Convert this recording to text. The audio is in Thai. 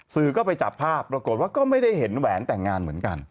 สื่อก็ไปจับภาพปรากฏว่าก็ไม่ได้เห็นแหวนแต่งงานเหมือนกัน